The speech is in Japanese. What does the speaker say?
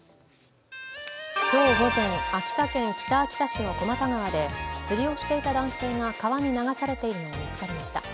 今日午前、秋田県北秋田市の小又川で釣りをしていた男性が川に流されているのが見つかりました。